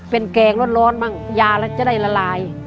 เป็นแกงร้อนบ้างยาแล้วจะได้ละลาย